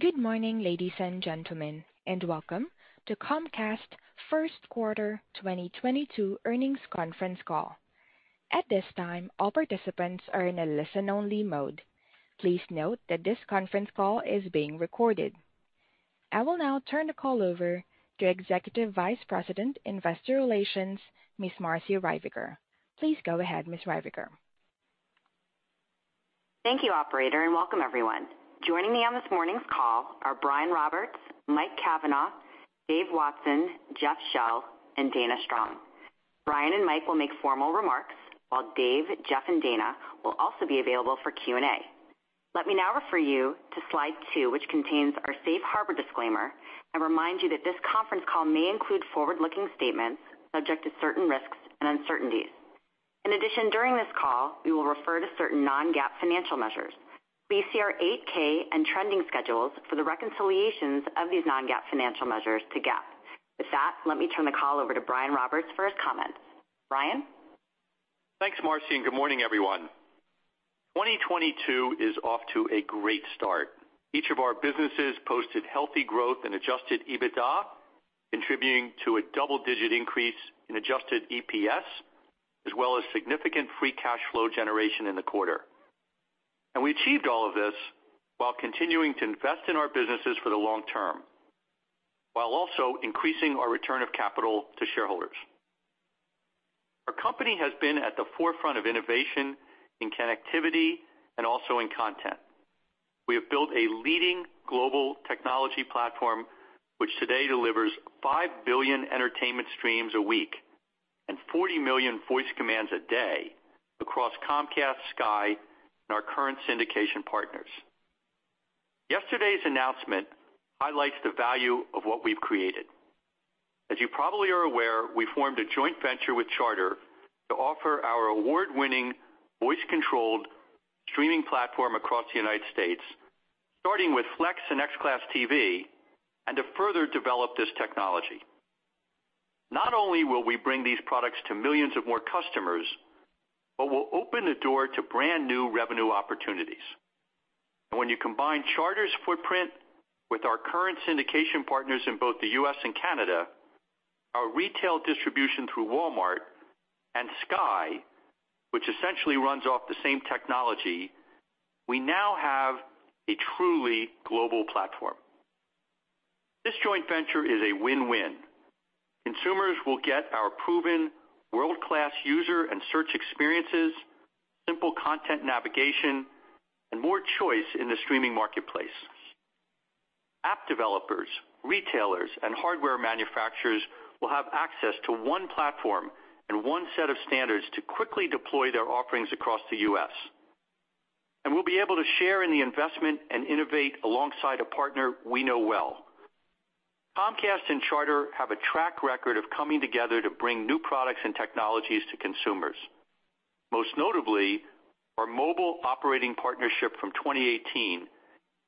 Good morning, ladies and gentlemen, and welcome to Comcast First Quarter 2022 Earnings Conference Call. At this time, all participants are in a listen-only mode. Please note that this conference call is being recorded. I will now turn the call over to Executive Vice President, Investor Relations, Ms. Marci Ryvicker. Please go ahead, Ms. Ryvicker. Thank you operator, and welcome everyone. Joining me on this morning's call are Brian Roberts, Mike Cavanagh, Dave Watson, Jeff Shell, and Dana Strong. Brian and Mike will make formal remarks while Dave, Jeff and Dana will also be available for Q&A. Let me now refer you to slide 2, which contains our safe harbor disclaimer, and remind you that this conference call may include forward-looking statements subject to certain risks and uncertainties. In addition, during this call, we will refer to certain non-GAAP financial measures. Please see our 8-K and trailing schedules for the reconciliations of these non-GAAP financial measures to GAAP. With that, let me turn the call over to Brian Roberts for his comments. Brian. Thanks, Marci, and good morning, everyone. 2022 is off to a great start. Each of our businesses posted healthy growth in adjusted EBITDA, contributing to a double-digit increase in adjusted EPS, as well as significant free cash flow generation in the quarter. We achieved all of this while continuing to invest in our businesses for the long term, while also increasing our return of capital to shareholders. Our company has been at the forefront of innovation in connectivity and also in content. We have built a leading global technology platform, which today delivers 5 billion entertainment streams a week and 40 million voice commands a day across Comcast, Sky, and our current syndication partners. Yesterday's announcement highlights the value of what we've created. As you probably are aware, we formed a joint venture with Charter to offer our award-winning voice-controlled streaming platform across the United States, starting with Flex and XClass TV, and to further develop this technology. Not only will we bring these products to millions of more customers, but we'll open the door to brand-new revenue opportunities. When you combine Charter's footprint with our current syndication partners in both the U.S. and Canada, our retail distribution through Walmart and Sky, which essentially runs off the same technology, we now have a truly global platform. This joint venture is a win-win. Consumers will get our proven world-class user and search experiences, simple content navigation, and more choice in the streaming marketplace. App developers, retailers, and hardware manufacturers will have access to one platform and one set of standards to quickly deploy their offerings across the U.S. We'll be able to share in the investment and innovate alongside a partner we know well. Comcast and Charter have a track record of coming together to bring new products and technologies to consumers. Most notably, our Mobile Operating Partnership from 2018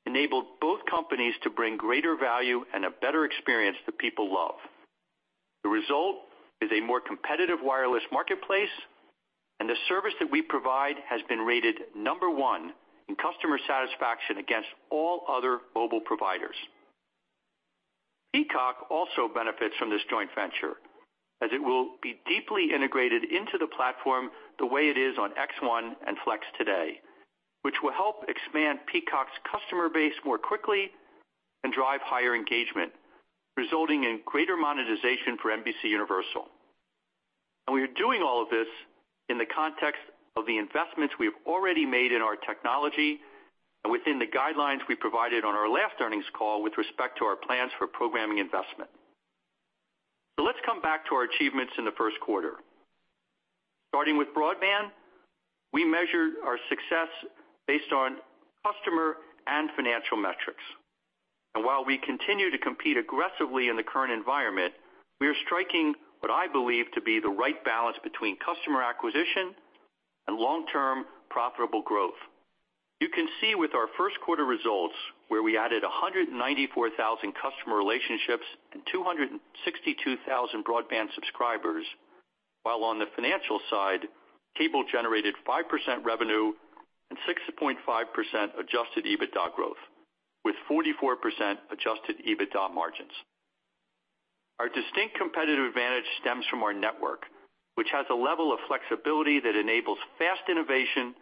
enabled both companies to bring greater value and a better experience that people love. The result is a more competitive wireless marketplace, and the service that we provide has been rated number one in customer satisfaction against all other mobile providers. Peacock also benefits from this joint venture, as it will be deeply integrated into the platform the way it is on X1 and Flex today, which will help expand Peacock's customer base more quickly and drive higher engagement, resulting in greater monetization for NBCUniversal. We are doing all of this in the context of the investments we have already made in our technology and within the guidelines we provided on our last earnings call with respect to our plans for programming investment. Let's come back to our achievements in the first quarter. Starting with broadband, we measured our success based on customer and financial metrics. While we continue to compete aggressively in the current environment, we are striking what I believe to be the right balance between customer acquisition and long-term profitable growth. You can see with our first quarter results, where we added 194,000 customer relationships and 262,000 broadband subscribers, while on the financial side, cable generated 5% revenue and 6.5% adjusted EBITDA growth with 44% adjusted EBITDA margins. Our distinct competitive advantage stems from our network, which has a level of flexibility that enables fast innovation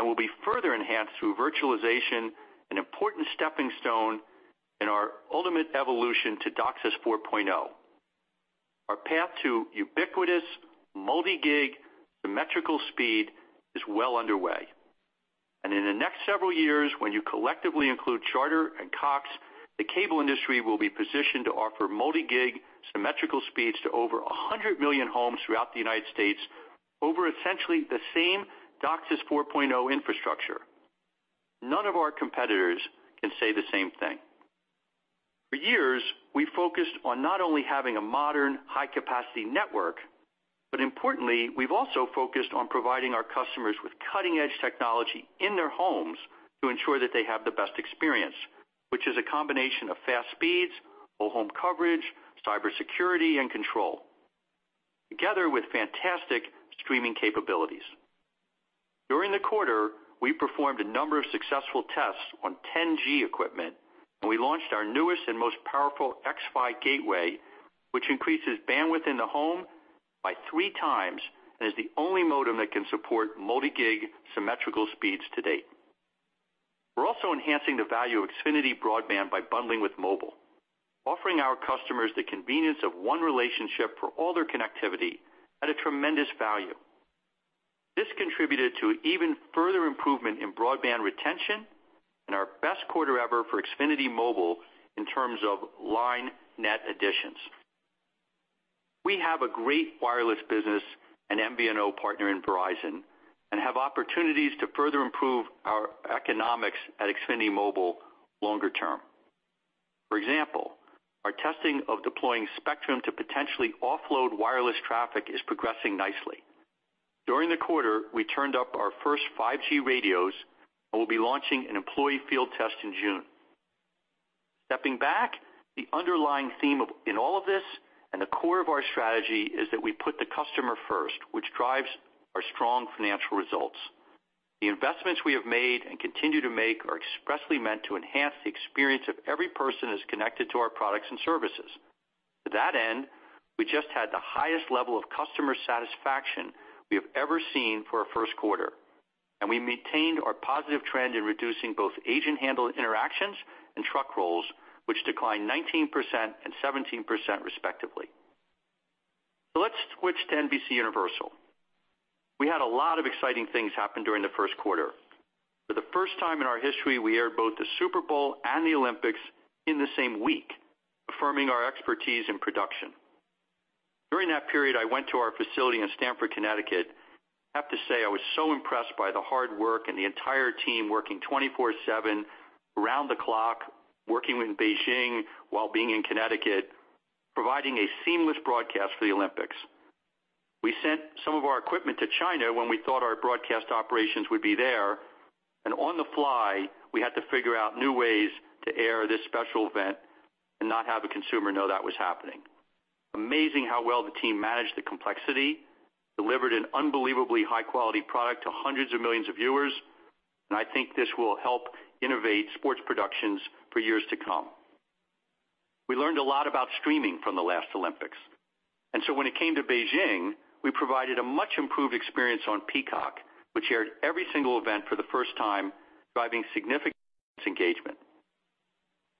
and will be further enhanced through virtualization, an important stepping stone in our ultimate evolution to DOCSIS 4.0. Our path to ubiquitous multi-gig symmetrical speed is well underway. In the next several years, when you collectively include Charter and Cox, the cable industry will be positioned to offer multi-gig symmetrical speeds to over 100 million homes throughout the United States over essentially the same DOCSIS 4.0 infrastructure. None of our competitors can say the same thing. For years, we focused on not only having a modern high-capacity network, but importantly, we've also focused on providing our customers with cutting-edge technology in their homes to ensure that they have the best experience, which is a combination of fast speeds, whole home coverage, cybersecurity and control. Together with fantastic streaming capabilities. During the quarter, we performed a number of successful tests on 10G equipment, and we launched our newest and most powerful xFi Gateway, which increases bandwidth in the home by three times and is the only modem that can support multi-gig symmetrical speeds to date. We're also enhancing the value of Xfinity Broadband by bundling with mobile, offering our customers the convenience of one relationship for all their connectivity at a tremendous value. This contributed to even further improvement in broadband retention and our best quarter ever for Xfinity Mobile in terms of line net additions. We have a great wireless business and MVNO partner in Verizon and have opportunities to further improve our economics at Xfinity Mobile longer term. For example, our testing of deploying spectrum to potentially offload wireless traffic is progressing nicely. During the quarter, we turned up our first 5G radios and we'll be launching an employee field test in June. Stepping back, the underlying theme in all of this and the core of our strategy is that we put the customer first, which drives our strong financial results. The investments we have made and continue to make are expressly meant to enhance the experience of every person that's connected to our products and services. To that end, we just had the highest level of customer satisfaction we have ever seen for a first quarter, and we maintained our positive trend in reducing both agent-handled interactions and truck rolls, which declined 19% and 17% respectively. Let's switch to NBCUniversal. We had a lot of exciting things happen during the first quarter. For the first time in our history, we aired both the Super Bowl and the Olympics in the same week, affirming our expertise in production. During that period, I went to our facility in Stamford, Connecticut. I have to say, I was so impressed by the hard work and the entire team working 24/7 around the clock, working with Beijing while being in Connecticut, providing a seamless broadcast for the Olympics. We sent some of our equipment to China when we thought our broadcast operations would be there, and on the fly, we had to figure out new ways to air this special event and not have a consumer know that was happening. Amazing how well the team managed the complexity, delivered an unbelievably high-quality product to hundreds of millions of viewers, and I think this will help innovate sports productions for years to come. We learned a lot about streaming from the last Olympics, and so when it came to Beijing, we provided a much improved experience on Peacock, which aired every single event for the first time, driving significant engagement.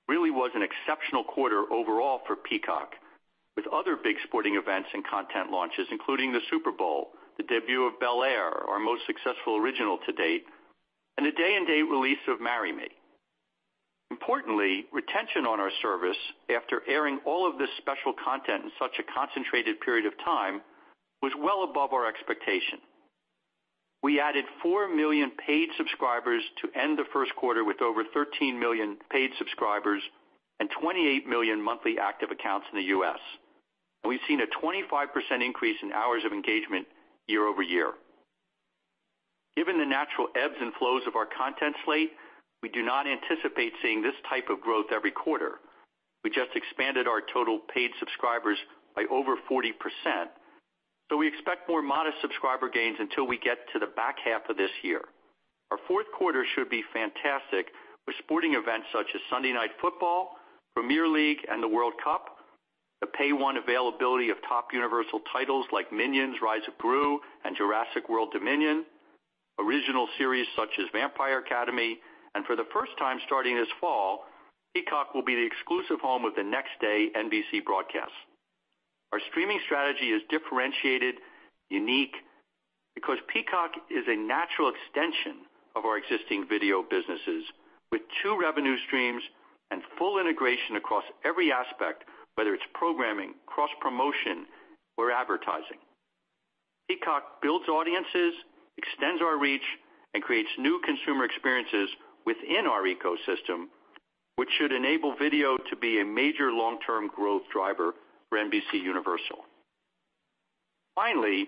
Really was an exceptional quarter overall for Peacock with other big sporting events and content launches, including the Super Bowl, the debut of Bel-Air, our most successful original to date, and a day-and-date release of Marry Me. Importantly, retention on our service after airing all of this special content in such a concentrated period of time was well above our expectation. We added 4 million paid subscribers to end the first quarter with over 13 million paid subscribers and 28 million monthly active accounts in the U.S., and we've seen a 25% increase in hours of engagement year-over-year. Given the natural ebbs and flows of our content slate, we do not anticipate seeing this type of growth every quarter. We just expanded our total paid subscribers by over 40%, so we expect more modest subscriber gains until we get to the back half of this year. Our fourth quarter should be fantastic, with sporting events such as Sunday Night Football, Premier League, and the World Cup, the Day One availability of top Universal titles like Minions: Rise of Gru and Jurassic World: Dominion, original series such as Vampire Academy, and for the first time, starting this fall, Peacock will be the exclusive home of the next-day NBC broadcasts. Our streaming strategy is differentiated, unique because Peacock is a natural extension of our existing video businesses with two revenue streams and full integration across every aspect, whether it's programming, cross-promotion or advertising. Peacock builds audiences, extends our reach, and creates new consumer experiences within our ecosystem, which should enable video to be a major long-term growth driver for NBCUniversal. Finally,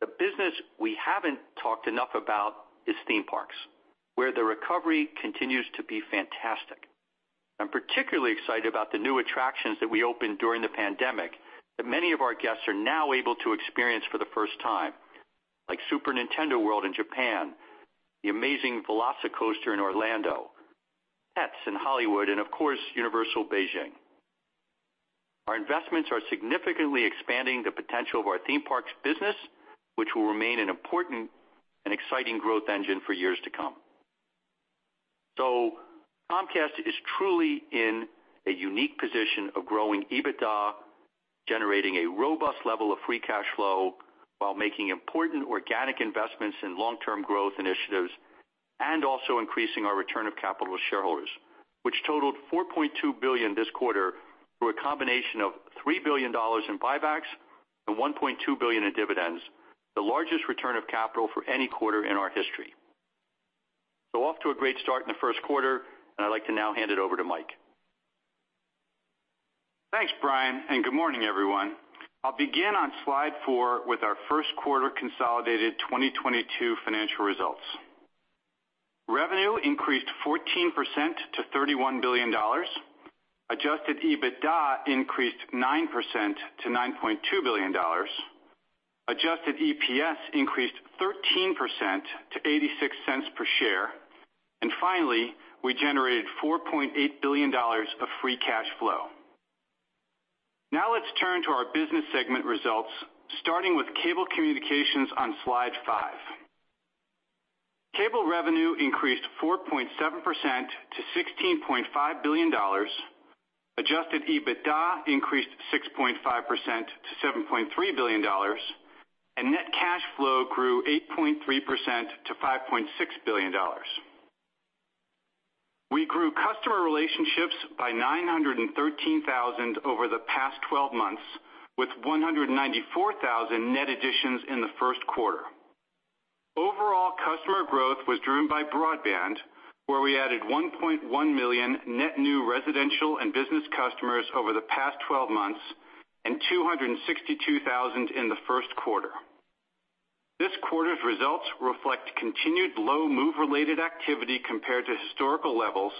the business we haven't talked enough about is theme parks, where the recovery continues to be fantastic. I'm particularly excited about the new attractions that we opened during the pandemic that many of our guests are now able to experience for the first time, like Super Nintendo World in Japan, the amazing VelociCoaster in Orlando, Pets in Hollywood, and of course, Universal Beijing. Our investments are significantly expanding the potential of our theme parks business, which will remain an important and exciting growth engine for years to come. Comcast is truly in a unique position of growing EBITDA, generating a robust level of free cash flow while making important organic investments in long-term growth initiatives, and also increasing our return of capital to shareholders, which totaled $4.2 billion this quarter through a combination of $3 billion in buybacks and $1.2 billion in dividends, the largest return of capital for any quarter in our history. Off to a great start in the first quarter, and I'd like to now hand it over to Mike. Thanks, Brian, and good morning, everyone. I'll begin on slide 4 with our first quarter consolidated 2022 financial results. Revenue increased 14% to $31 billion. Adjusted EBITDA increased 9% to $9.2 billion. Adjusted EPS increased 13% to $0.86 per share. Finally, we generated $4.8 billion of free cash flow. Now let's turn to our business segment results, starting with Cable Communications on slide 5. Cable revenue increased 4.7% to $16.5 billion. Adjusted EBITDA increased 6.5% to $7.3 billion, and net cash flow grew 8.3% to $5.6 billion. We grew customer relationships by 913,000 over the past 12 months, with 194,000 net additions in the first quarter. Overall customer growth was driven by broadband, where we added 1.1 million net new residential and business customers over the past 12 months and 262,000 in the first quarter. This quarter's results reflect continued low move-related activity compared to historical levels,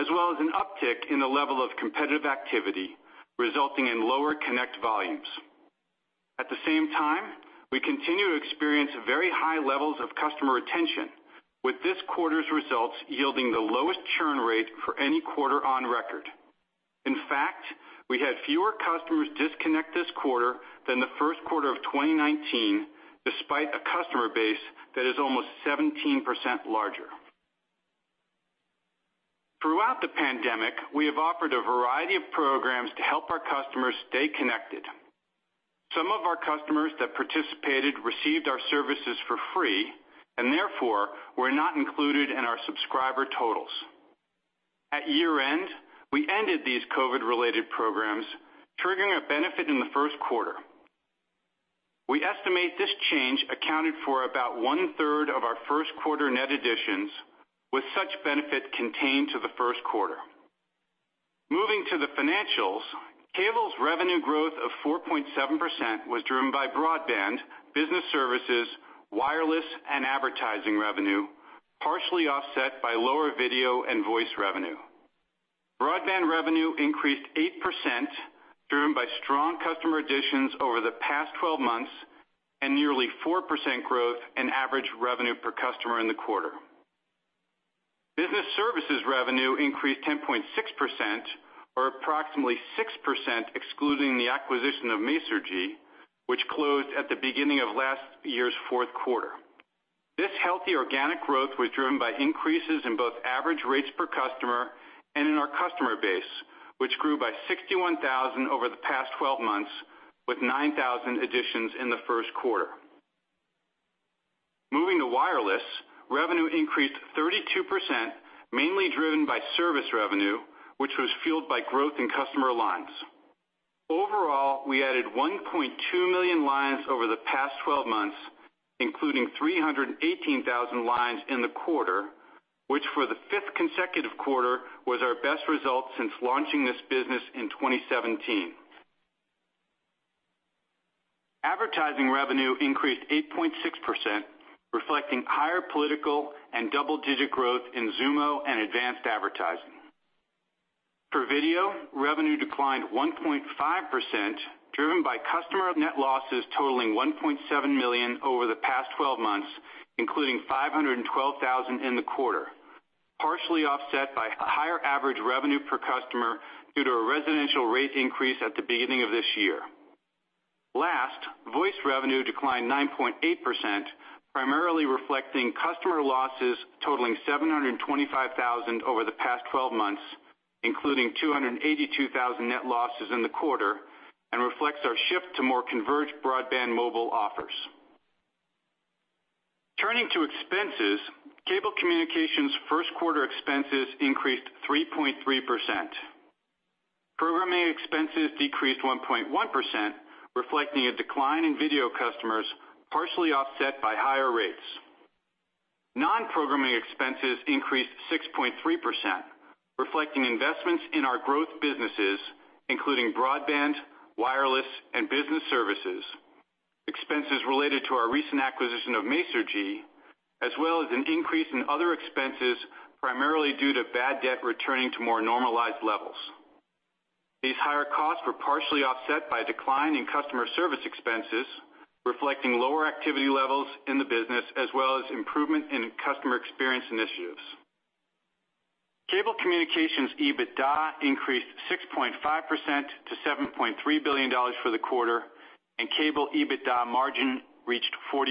as well as an uptick in the level of competitive activity resulting in lower connect volumes. At the same time, we continue to experience very high levels of customer retention, with this quarter's results yielding the lowest churn rate for any quarter on record. In fact, we had fewer customers disconnect this quarter than the first quarter of 2019, despite a customer base that is almost 17% larger. Throughout the pandemic, we have offered a variety of programs to help our customers stay connected. Some of our customers that participated received our services for free and therefore were not included in our subscriber totals. At year-end, we ended these COVID-related programs, triggering a benefit in the first quarter. We estimate this change accounted for about one-third of our first quarter net additions, with such benefit contained to the first quarter. Moving to the financials, Cable's revenue growth of 4.7% was driven by broadband, business services, wireless and advertising revenue, partially offset by lower video and voice revenue. Broadband revenue increased 8%, driven by strong customer additions over the past 12 months and nearly 4% growth in average revenue per customer in the quarter. Business services revenue increased 10.6% or approximately 6% excluding the acquisition of Masergy, which closed at the beginning of last year's fourth quarter. This healthy organic growth was driven by increases in both average rates per customer and in our customer base, which grew by 61,000 over the past 12 months with 9,000 additions in the first quarter. Moving to wireless, revenue increased 32%, mainly driven by service revenue, which was fueled by growth in customer lines. Overall, we added 1.2 million lines over the past 12 months, including 318,000 lines in the quarter, which for the fifth consecutive quarter was our best result since launching this business in 2017. Advertising revenue increased 8.6%, reflecting higher political and double-digit growth in Xumo and advanced advertising. For video, revenue declined 1.5%, driven by customer net losses totaling 1.7 million over the past 12 months, including 512,000 in the quarter, partially offset by higher average revenue per customer due to a residential rate increase at the beginning of this year. Last, voice revenue declined 9.8%, primarily reflecting customer losses totaling 725,000 over the past 12 months, including 282,000 net losses in the quarter, and reflects our shift to more converged broadband mobile offers. Turning to expenses, Cable Communications first quarter expenses increased 3.3%. Programming expenses decreased 1.1%, reflecting a decline in video customers, partially offset by higher rates. Non-programming expenses increased 6.3%, reflecting investments in our growth businesses, including broadband, wireless and business services, expenses related to our recent acquisition of Masergy, as well as an increase in other expenses, primarily due to bad debt returning to more normalized levels. These higher costs were partially offset by a decline in customer service expenses, reflecting lower activity levels in the business, as well as improvement in customer experience initiatives. Cable Communications EBITDA increased 6.5% to $7.3 billion for the quarter, and Cable EBITDA margin reached 44%,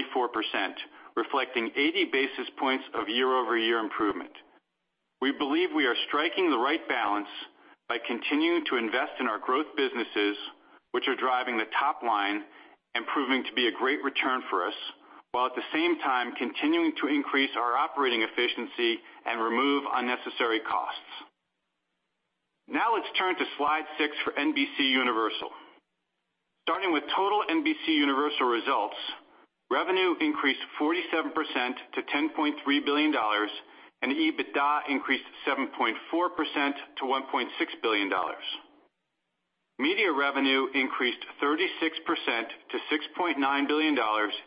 reflecting 80 basis points of year-over-year improvement. We believe we are striking the right balance by continuing to invest in our growth businesses, which are driving the top line and proving to be a great return for us, while at the same time continuing to increase our operating efficiency and remove unnecessary costs. Now let's turn to slide six for NBCUniversal. Starting with total NBCUniversal results, revenue increased 47% to $10.3 billion, and EBITDA increased 7.4% to $1.6 billion. Media revenue increased 36% to $6.9 billion,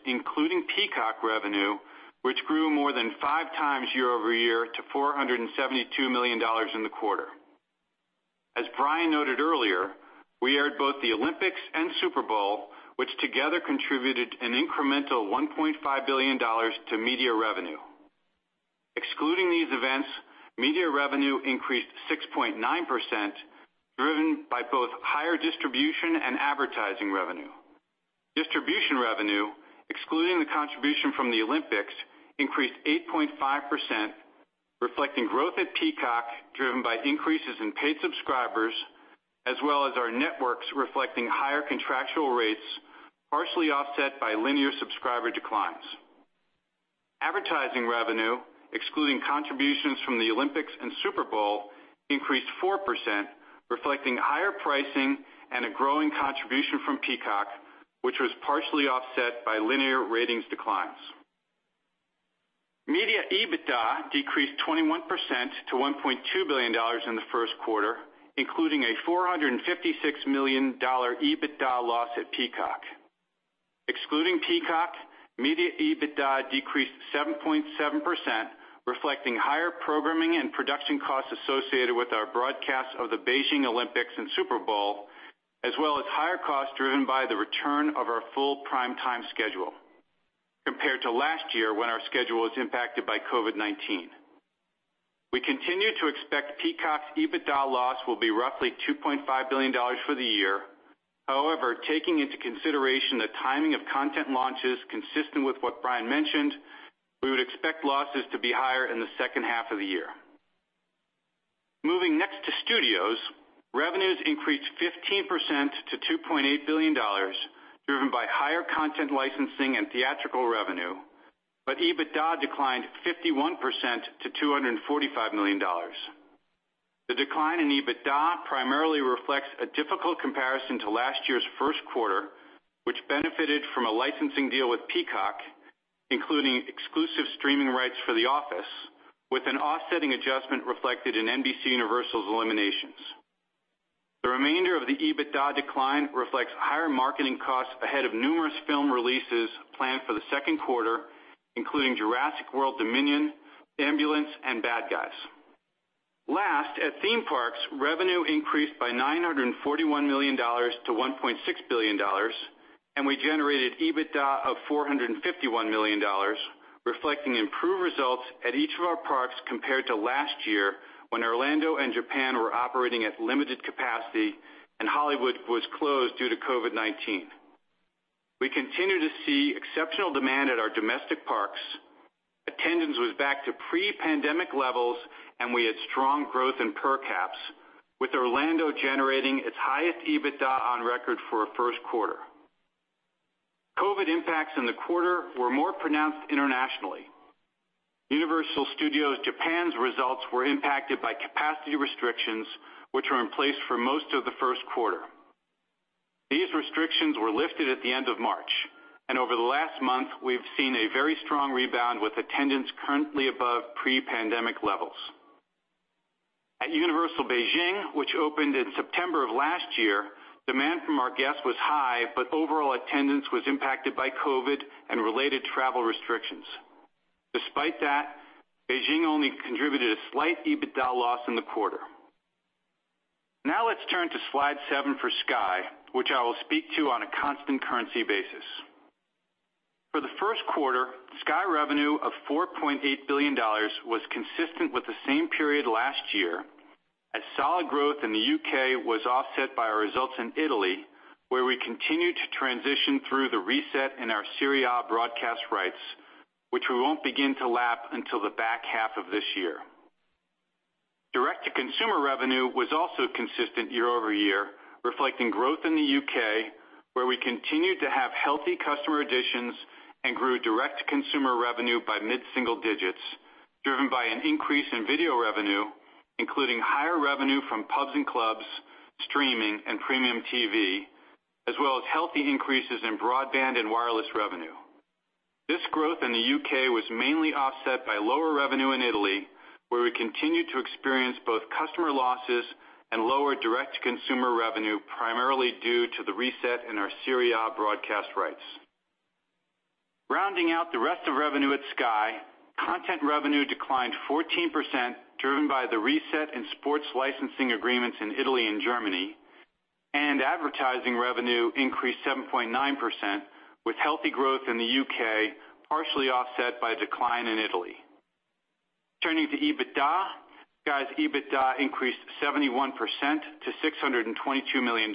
including Peacock revenue, which grew more than 5x year-over-year to $472 million in the quarter. As Brian noted earlier, we aired both the Olympics and Super Bowl, which together contributed an incremental $1.5 billion to media revenue. Excluding these events, media revenue increased 6.9%, driven by both higher distribution and advertising revenue. Distribution revenue, excluding the contribution from the Olympics, increased 8.5%, reflecting growth at Peacock, driven by increases in paid subscribers, as well as our networks reflecting higher contractual rates, partially offset by linear subscriber declines. Advertising revenue, excluding contributions from the Olympics and Super Bowl, increased 4%, reflecting higher pricing and a growing contribution from Peacock, which was partially offset by linear ratings declines. Media EBITDA decreased 21% to $1.2 billion in the first quarter, including a $456 million EBITDA loss at Peacock. Excluding Peacock, media EBITDA decreased 7.7%, reflecting higher programming and production costs associated with our broadcast of the Beijing Olympics and Super Bowl, as well as higher costs driven by the return of our full prime time schedule compared to last year when our schedule was impacted by COVID-19. We continue to expect Peacock's EBITDA loss will be roughly $2.5 billion for the year. However, taking into consideration the timing of content launches consistent with what Brian mentioned, we would expect losses to be higher in the second half of the year. Moving next to studios. Revenues increased 15% to $2.8 billion, driven by higher content licensing and theatrical revenue, but EBITDA declined 51% to $245 million. The decline in EBITDA primarily reflects a difficult comparison to last year's first quarter, which benefited from a licensing deal with Peacock, including exclusive streaming rights for The Office, with an offsetting adjustment reflected in NBCUniversal's eliminations. The remainder of the EBITDA decline reflects higher marketing costs ahead of numerous film releases planned for the second quarter, including Jurassic World Dominion, Ambulance, and The Bad Guys. Last, at theme parks, revenue increased by $941 million to $1.6 billion, and we generated EBITDA of $451 million, reflecting improved results at each of our parks compared to last year when Orlando and Japan were operating at limited capacity and Hollywood was closed due to COVID-19. We continue to see exceptional demand at our domestic parks. Attendance was back to pre-pandemic levels, and we had strong growth in per caps, with Orlando generating its highest EBITDA on record for a first quarter. COVID impacts in the quarter were more pronounced internationally. Universal Studios Japan's results were impacted by capacity restrictions which were in place for most of the first quarter. These restrictions were lifted at the end of March, and over the last month, we've seen a very strong rebound, with attendance currently above pre-pandemic levels. At Universal Beijing, which opened in September of last year, demand from our guests was high, but overall attendance was impacted by COVID and related travel restrictions. Despite that, Beijing only contributed a slight EBITDA loss in the quarter. Now let's turn to slide 7 for Sky, which I will speak to on a constant currency basis. For the first quarter, Sky revenue of $4.8 billion was consistent with the same period last year, as solid growth in the U.K. was offset by our results in Italy, where we continued to transition through the reset in our Serie A broadcast rights, which we won't begin to lap until the back half of this year. Direct-to-consumer revenue was also consistent year-over-year, reflecting growth in the U.K., where we continued to have healthy customer additions and grew direct-to-consumer revenue by mid-single digits, driven by an increase in video revenue, including higher revenue from pubs and clubs, streaming, and premium TV, as well as healthy increases in broadband and wireless revenue. This growth in the U.K. was mainly offset by lower revenue in Italy, where we continued to experience both customer losses and lower direct-to-consumer revenue, primarily due to the reset in our Serie A broadcast rights. Rounding out the rest of revenue at Sky, content revenue declined 14%, driven by the reset in sports licensing agreements in Italy and Germany, and advertising revenue increased 7.9% with healthy growth in the U.K., partially offset by a decline in Italy. Turning to EBITDA. Sky's EBITDA increased 71% to $622 million,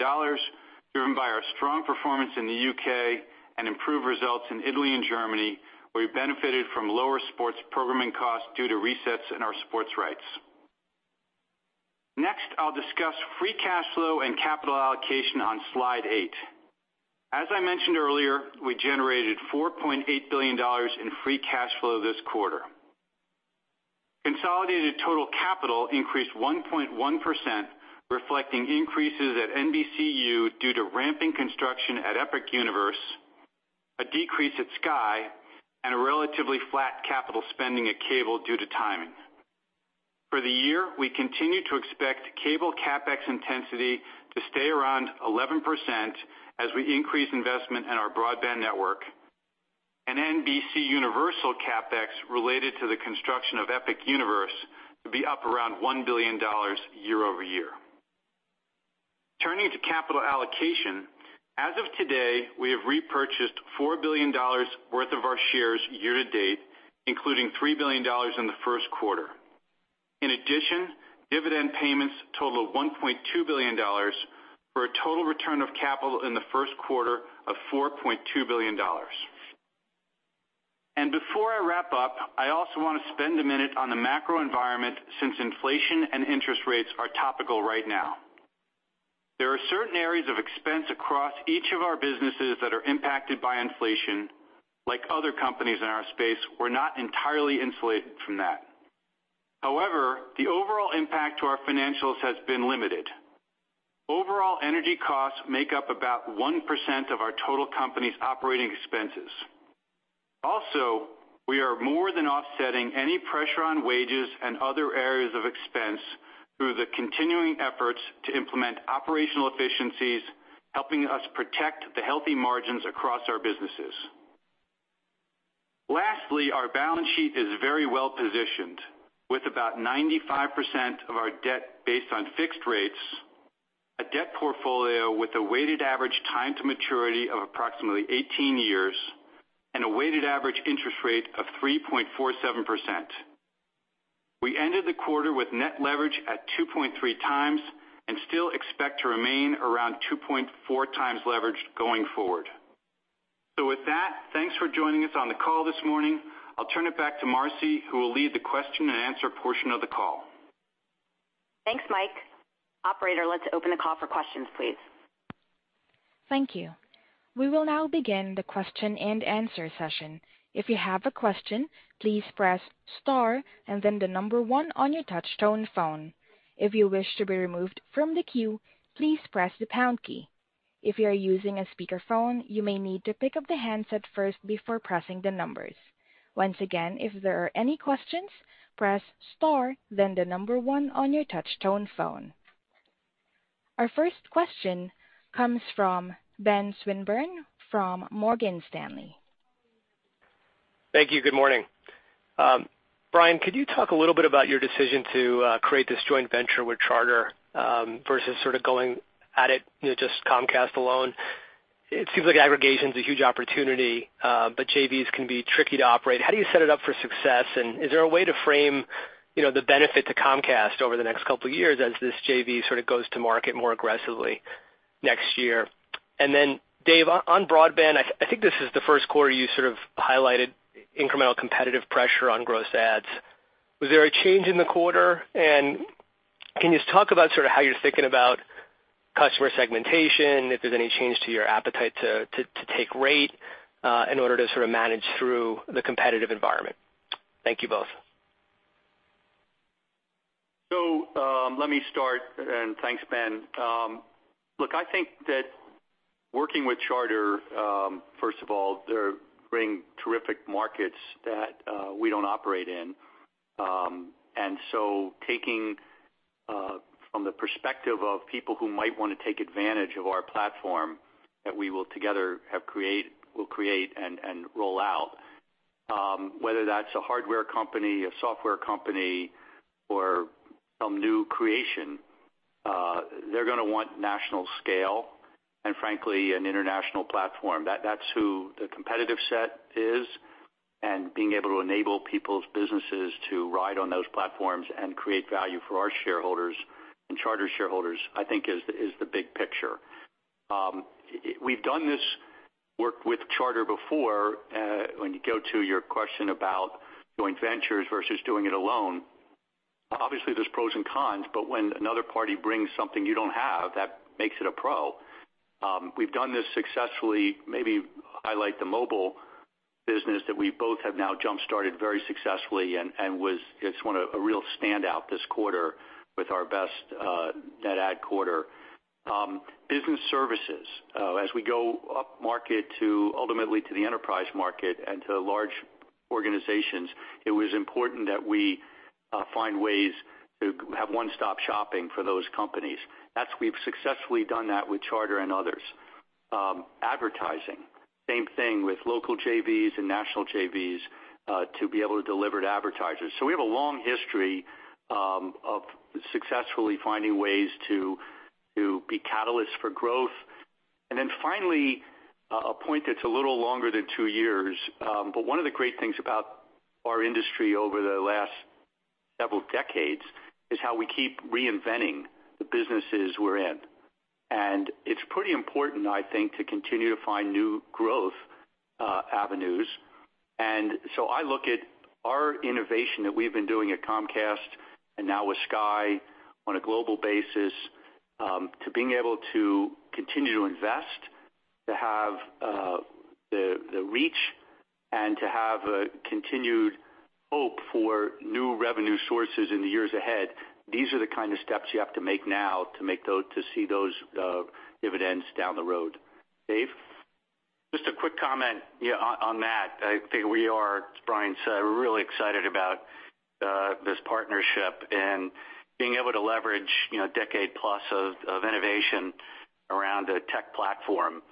driven by our strong performance in the UK and improved results in Italy and Germany, where we benefited from lower sports programming costs due to resets in our sports rights. Next, I'll discuss free cash flow and capital allocation on slide 8. As I mentioned earlier, we generated $4.8 billion in free cash flow this quarter. Consolidated total capital increased 1.1%, reflecting increases at NBCU due to ramping construction at Epic Universe, a decrease at Sky, and a relatively flat capital spending at Cable due to timing. For the year, we continue to expect cable CapEx intensity to stay around 11% as we increase investment in our broadband network. NBCUniversal CapEx related to the construction of Epic Universe to be up around $1 billion year-over-year. Turning to capital allocation, as of today, we have repurchased $4 billion worth of our shares year to date, including $3 billion in the first quarter. In addition, dividend payments total $1.2 billion for a total return of capital in the first quarter of $4.2 billion. Before I wrap up, I also want to spend a minute on the macro environment since inflation and interest rates are topical right now. There are certain areas of expense across each of our businesses that are impacted by inflation. Like other companies in our space, we're not entirely insulated from that. However, the overall impact to our financials has been limited. Overall energy costs make up about 1% of our total company's operating expenses. Also, we are more than offsetting any pressure on wages and other areas of expense through the continuing efforts to implement operational efficiencies, helping us protect the healthy margins across our businesses. Lastly, our balance sheet is very well positioned, with about 95% of our debt based on fixed rates, a debt portfolio with a weighted average time to maturity of approximately 18 years, and a weighted average interest rate of 3.47%. We ended the quarter with net leverage at 2.3x and still expect to remain around 2.4x leverage going forward. With that, thanks for joining us on the call this morning. I'll turn it back to Marci, who will lead the question and answer portion of the call. Thanks, Mike. Operator, let's open the call for questions, please. Thank you. We will now begin the question and answer session. If you have a question, please press star and then the number one on your touch tone phone. If you wish to be removed from the queue, please press the pound key. If you are using a speakerphone, you may need to pick up the handset first before pressing the numbers. Once again, if there are any questions, press star, then the number one on your touch tone phone. Our first question comes from Ben Swinburne from Morgan Stanley. Thank you. Good morning. Brian, could you talk a little bit about your decision to create this joint venture with Charter versus sort of going at it, you know, just Comcast alone? It seems like aggregation is a huge opportunity, but JVs can be tricky to operate. How do you set it up for success? Is there a way to frame, you know, the benefit to Comcast over the next couple of years as this JV sort of goes to market more aggressively next year? Then Dave, on broadband, I think this is the first quarter you sort of highlighted incremental competitive pressure on gross adds. Was there a change in the quarter? Can you just talk about sort of how you're thinking about customer segmentation, if there's any change to your appetite to take rate, in order to sort of manage through the competitive environment? Thank you both. Let me start, and thanks, Ben. Look, I think that working with Charter, first of all, they bring terrific markets that we don't operate in. Taking from the perspective of people who might want to take advantage of our platform that we will together have will create and roll out, whether that's a hardware company, a software company, or some new creation, they're gonna want national scale and frankly, an international platform. That's who the competitive set is, and being able to enable people's businesses to ride on those platforms and create value for our shareholders and Charter shareholders, I think is the big picture. We've done this work with Charter before. When you go to your question about joint ventures versus doing it alone, obviously there's pros and cons, but when another party brings something you don't have, that makes it a pro. We've done this successfully, maybe highlight the mobile business that we both have now jump-started very successfully. It's one of our real standouts this quarter with our best net add quarter. Business services, as we go up market to ultimately the enterprise market and to large organizations, it was important that we find ways to have one-stop shopping for those companies. That's what we've successfully done with Charter and others. Advertising, same thing with local JVs and national JVs, to be able to deliver to advertisers. We have a long history of successfully finding ways to be catalysts for growth. Finally, a point that's a little longer than two years. One of the great things about our industry over the last several decades is how we keep reinventing the businesses we're in. It's pretty important, I think, to continue to find new growth avenues. I look at our innovation that we've been doing at Comcast and now with Sky on a global basis, to being able to continue to invest, to have the reach and to have a continued hope for new revenue sources in the years ahead. These are the kind of steps you have to make now to see those dividends down the road. Dave? Quick comment, yeah, on that. I think we are, as Brian said, really excited about this partnership and being able to leverage, you know, a decade plus of innovation around a tech platform.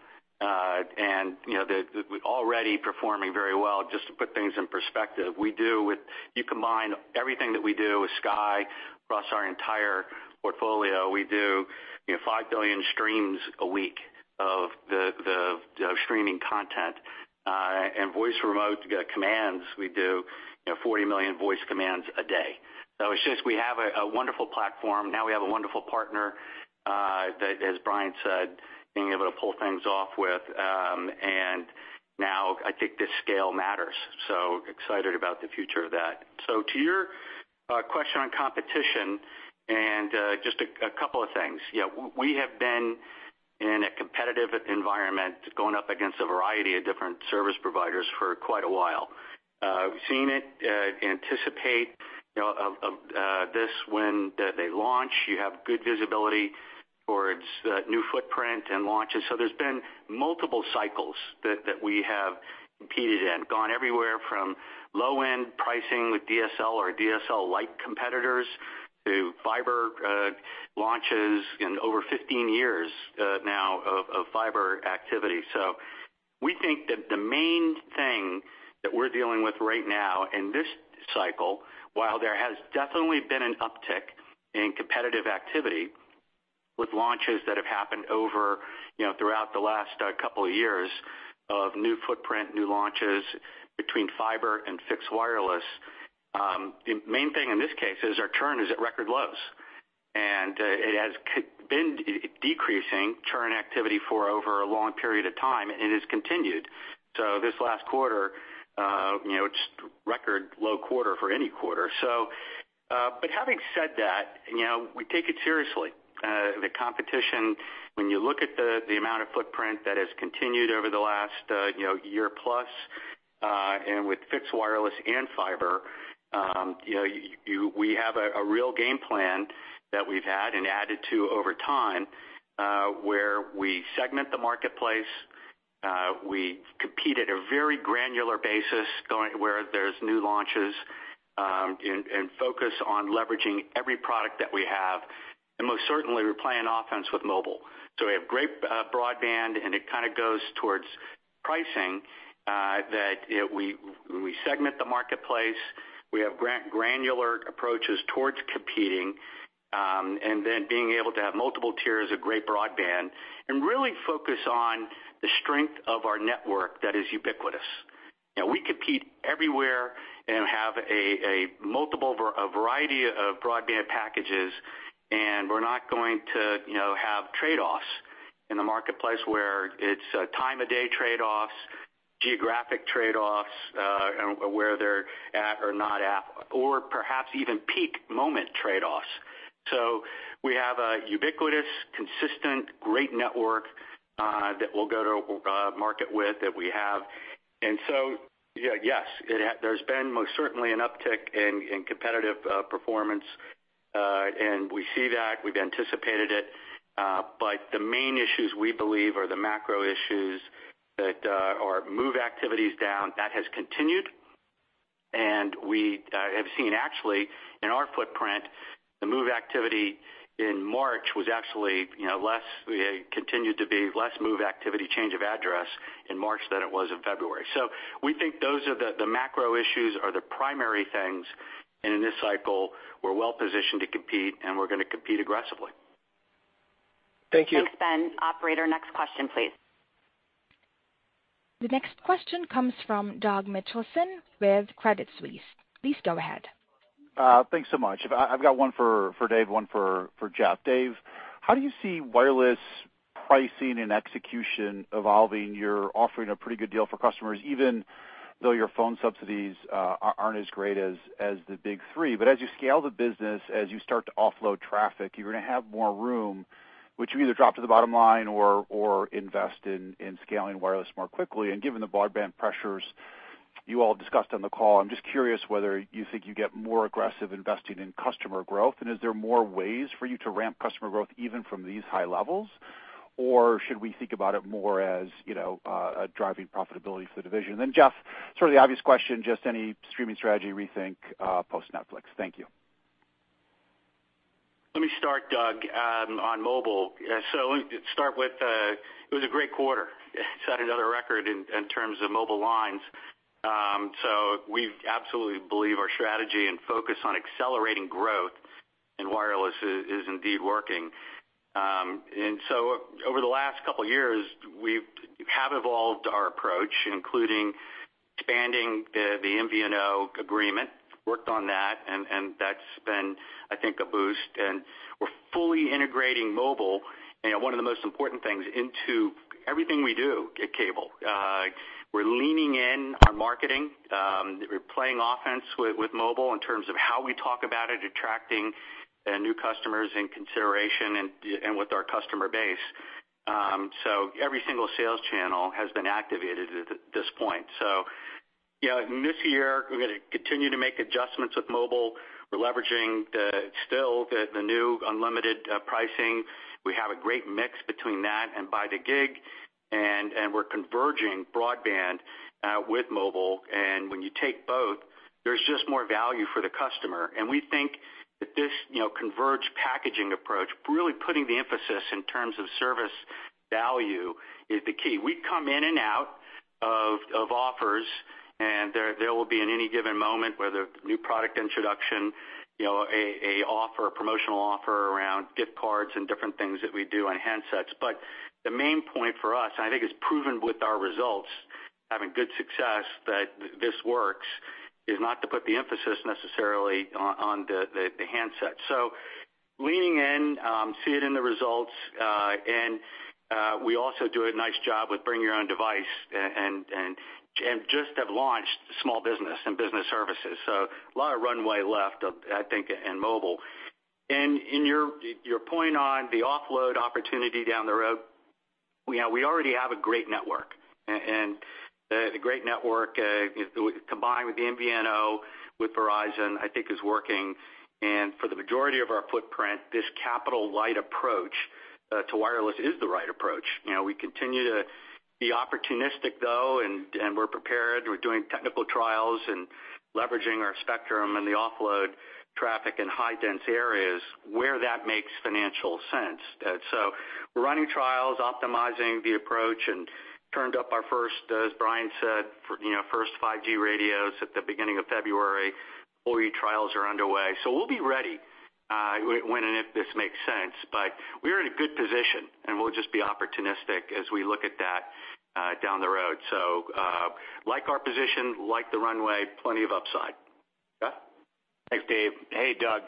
And, you know, the already performing very well, just to put things in perspective. You combine everything that we do with Sky plus our entire portfolio, we do, you know, five billion streams a week of the streaming content. And voice remote commands, we do, you know, 40 million voice commands a day. It's just we have a wonderful platform. Now we have a wonderful partner that, as Brian said, being able to pull things off with, and now I think the scale matters, excited about the future of that. To your question on competition and just a couple of things. Yeah, we have been in a competitive environment, going up against a variety of different service providers for quite a while. We've seen it. We anticipate, you know, of this when they launch. You have good visibility towards the new footprint and launches. There's been multiple cycles that we have competed in, gone everywhere from low-end pricing with DSL or DSL-like competitors to fiber launches in over 15 years now of fiber activity. We think that the main thing that we're dealing with right now in this cycle, while there has definitely been an uptick in competitive activity with launches that have happened over, you know, throughout the last couple of years of new footprint, new launches between fiber and fixed wireless, the main thing in this case is our churn is at record lows. It has been decreasing churn activity for over a long period of time, and it has continued. This last quarter, you know, it's record low quarter for any quarter. Having said that, you know, we take it seriously. The competition, when you look at the amount of footprint that has continued over the last, you know, year plus, and with fixed wireless and fiber, you know, we have a real game plan that we've had and added to over time, where we segment the marketplace. We compete at a very granular basis going where there's new launches, and focus on leveraging every product that we have. Most certainly we're playing offense with mobile. We have great broadband, and it kind of goes towards pricing, that, you know, we segment the marketplace. We have granular approaches towards competing, and then being able to have multiple tiers of great broadband and really focus on the strength of our network that is ubiquitous. You know, we compete everywhere and have a variety of broadband packages, and we're not going to, you know, have trade-offs in the marketplace where it's time of day trade-offs, geographic trade-offs, and where they're at or not at, or perhaps even peak moment trade-offs. We have a ubiquitous, consistent, great network that we'll go to market with that we have. Yes, there's been most certainly an uptick in competitive performance. We see that. We've anticipated it. The main issues we believe are the macro issues that are move activities down. That has continued. We have seen actually in our footprint, the move activity in March was actually, you know, less, continued to be less move activity, change of address in March than it was in February. We think those are the macro issues are the primary things. In this cycle, we're well positioned to compete, and we're gonna compete aggressively. Thank you. Thanks, Ben. Operator, next question, please. The next question comes from Doug Mitchelson with Credit Suisse. Please go ahead. Thanks so much. I've got one for Dave, one for Jeff. Dave, how do you see wireless pricing and execution evolving? You're offering a pretty good deal for customers, even though your phone subsidies aren't as great as the big three. As you scale the business, as you start to offload traffic, you're gonna have more room which you either drop to the bottom line or invest in scaling wireless more quickly. Given the broadband pressures you all discussed on the call, I'm just curious whether you think you get more aggressive investing in customer growth. Is there more ways for you to ramp customer growth even from these high levels? Or should we think about it more as, you know, driving profitability for the division? Jeff, sort of the obvious question, just any streaming strategy rethink, post Netflix? Thank you. Let me start, Doug, on mobile. Let me start with it was a great quarter. Set another record in terms of mobile lines. We absolutely believe our strategy and focus on accelerating growth in wireless is indeed working. Over the last couple years, we have evolved our approach, including expanding the MVNO agreement, worked on that, and that's been, I think, a boost. We're fully integrating mobile, you know, one of the most important things into everything we do at Cable. We're leaning in on marketing. We're playing offense with mobile in terms of how we talk about it, attracting new customers in consideration and with our customer base. Every single sales channel has been activated. You know, in this year, we're gonna continue to make adjustments with mobile. We're leveraging the new unlimited pricing. We have a great mix between that and by the gig and we're converging broadband with mobile. When you take both, there's just more value for the customer. We think that this, you know, converge packaging approach, really putting the emphasis in terms of service value is the key. We come in and out of offers, and there will be in any given moment where the new product introduction, you know, a promotional offer around gift cards and different things that we do on handsets. But the main point for us, and I think it's proven with our results, having good success that this works, is not to put the emphasis necessarily on the handsets. Leaning in, see it in the results, and we also do a nice job with bring your own device and just have launched small business and business services. A lot of runway left, I think, in mobile. In your point on the offload opportunity down the road, you know, we already have a great network. The great network combined with the MVNO with Verizon, I think is working. For the majority of our footprint, this capital light approach to wireless is the right approach. You know, we continue to be opportunistic, though, and we're prepared. We're doing technical trials and leveraging our spectrum and the offload traffic in high dense areas where that makes financial sense. We're running trials, optimizing the approach, and turned up our first, as Brian said, you know, first 5G radios at the beginning of February. CBRS trials are underway. We'll be ready when and if this makes sense, but we're in a good position, and we'll just be opportunistic as we look at that down the road. Like our position, like the runway, plenty of upside. Doug? Thanks, Dave. Hey, Doug.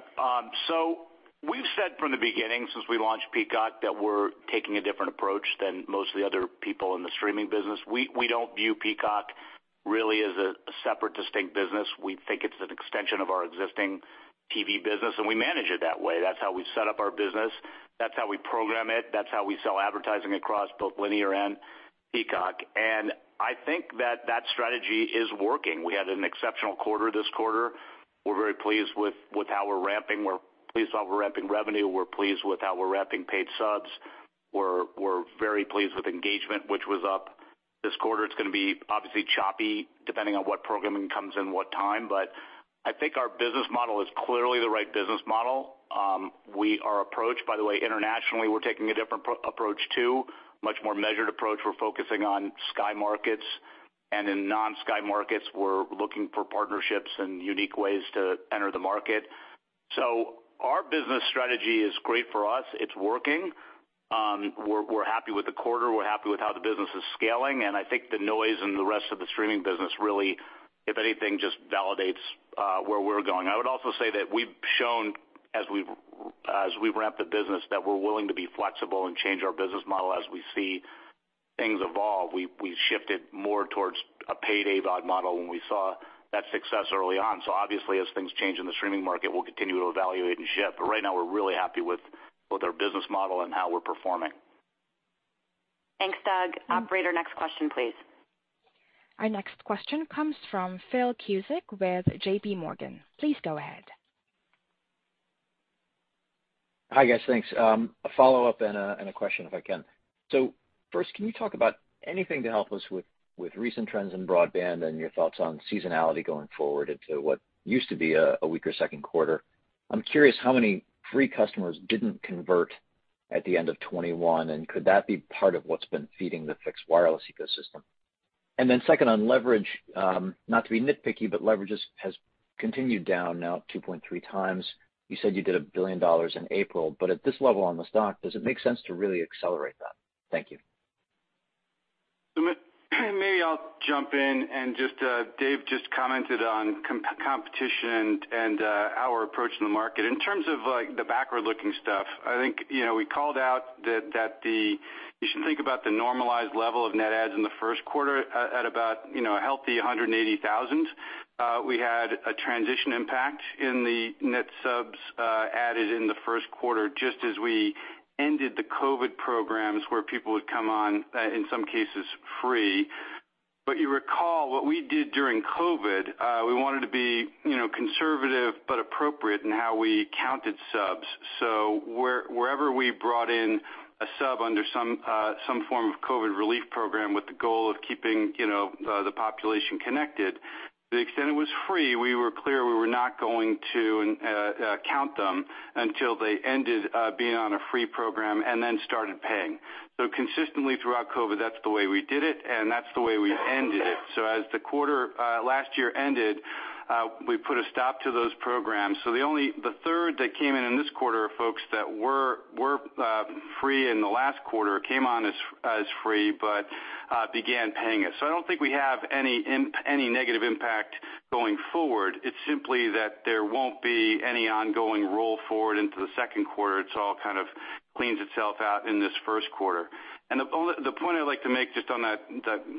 So we've said from the beginning since we launched Peacock that we're taking a different approach than most of the other people in the streaming business. We don't view Peacock really as a separate, distinct business. We think it's an extension of our existing TV business, and we manage it that way. That's how we set up our business. That's how we program it. That's how we sell advertising across both linear and Peacock. I think that strategy is working. We had an exceptional quarter this quarter. We're very pleased with how we're ramping. We're pleased with how we're ramping revenue. We're pleased with how we're ramping paid subs. We're very pleased with engagement, which was up this quarter. It's gonna be obviously choppy depending on what programming comes in what time. I think our business model is clearly the right business model. We are approached, by the way, internationally. We're taking a different approach too, much more measured approach. We're focusing on Sky markets. In non-Sky markets, we're looking for partnerships and unique ways to enter the market. Our business strategy is great for us. It's working. We're happy with the quarter. We're happy with how the business is scaling, and I think the noise in the rest of the streaming business really, if anything, just validates where we're going. I would also say that we've shown as we ramp the business, that we're willing to be flexible and change our business model as we see things evolve. We shifted more towards a paid AVOD model when we saw that success early on. Obviously, as things change in the streaming market, we'll continue to evaluate and shift. Right now we're really happy with our business model and how we're performing. Thanks, Doug. Operator, next question, please. Our next question comes from Phil Cusick with JPMorgan. Please go ahead. Hi, guys. Thanks. A follow-up and a question if I can. First, can you talk about anything to help us with recent trends in broadband and your thoughts on seasonality going forward into what used to be a weaker second quarter? I'm curious how many free customers didn't convert at the end of 2021, and could that be part of what's been feeding the fixed wireless ecosystem? Second on leverage, not to be nitpicky, but leverage has continued down now 2.3x. You said you did $1 billion in April, but at this level on the stock, does it make sense to really accelerate that? Thank you. Maybe I'll jump in and just, Dave just commented on competition and our approach in the market. In terms of, like, the backward-looking stuff, I think, you know, we called out that the you should think about the normalized level of net adds in the first quarter at about, you know, a healthy 180,000. We had a transition impact in the net subs added in the first quarter, just as we ended the COVID programs where people would come on in some cases free. You recall what we did during COVID, we wanted to be, you know, conservative but appropriate in how we counted subs. Wherever we brought in a sub under some form of COVID relief program with the goal of keeping, you know, the population connected, to the extent it was free, we were clear we were not going to count them until they ended being on a free program and then started paying. Consistently throughout COVID, that's the way we did it, and that's the way we ended it. As the quarter last year ended, we put a stop to those programs. The third that came in in this quarter are folks that were free in the last quarter, came on as free, but began paying us. I don't think we have any negative impact going forward. It's simply that there won't be any ongoing roll forward into the second quarter. It's all kind of cleans itself out in this first quarter. The point I'd like to make just on that